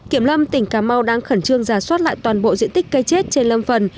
kiểm lâm tỉnh cà mau đang khẩn trương giả soát lại toàn bộ diện tích cây chết trên lâm phần